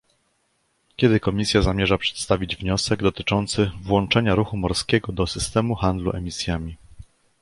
kiedy Komisja zamierza przedstawić wniosek dotyczący włączenia ruchu morskiego do systemu handlu emisjami?